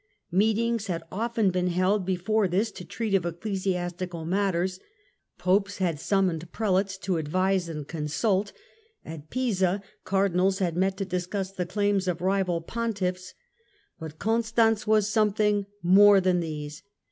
Meetings had often been held before this to treat of ecclesiastical matters ; Popes had summoned prelates to advise and consult ; at Pisa cardinals had met to discuss the claims of rival pontiffs : but Con stance was something more than these.